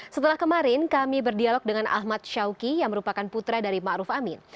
setelah kemarin kami berdialog dengan ahmad shawki yang merupakan putra dari ma'ruf amin